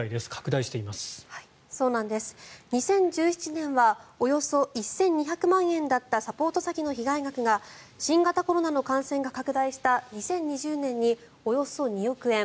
２０１７年はおよそ１２００万円だったサポート詐欺の被害額が新型コロナの感染が拡大した２０２０年におよそ２億円。